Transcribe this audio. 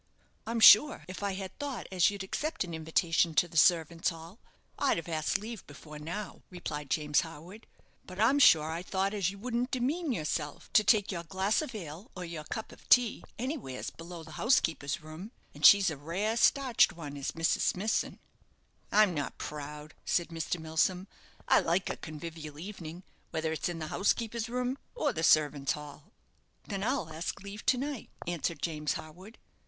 "I'm sure if I had thought as you'd accept a invitation to the servants' 'all, I'd have asked leave before now," replied James Harwood; "but I'm sure I thought as you wouldn't demean yourself to take your glass of ale, or your cup of tea, any wheres below the housekeeper's room and she's a rare starched one is Mrs. Smithson." "I'm not proud," said Mr. Milsom. "I like a convivial evening, whether it's in the housekeeper's room or the servants' hall." "Then I'll ask leave to night," answered James Harwood.